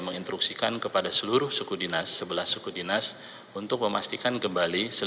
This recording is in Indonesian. menginstruksikan kepada seluruh suku dinas sebelah suku dinas untuk memastikan kembali